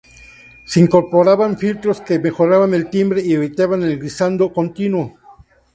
Se incorporaban filtros que mejoraban el timbre y evitaban el "glissando" continuo.